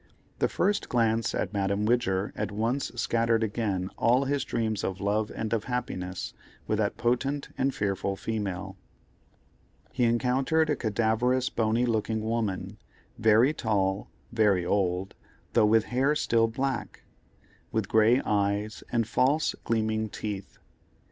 The first glance at Madame Widger at once scattered again all his dreams of love and of happiness with that potent and fearful female. He encountered a cadaverous bony looking woman, very tall, very old, though with hair still black; with grey eyes, and false gleaming teeth.